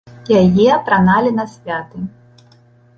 Яе апраналі на святы.